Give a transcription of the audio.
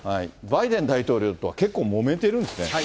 バイデン大統領とは結構、もめてるんですね。